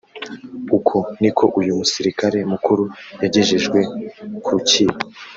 uko ni ko uyu musirikare mukuru yagejejwe ku rukiko